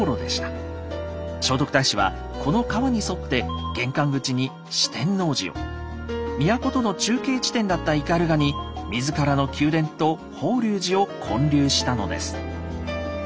聖徳太子はこの川に沿って玄関口に四天王寺を都との中継地点だった斑鳩に自らの宮殿と法隆寺を建立したのです。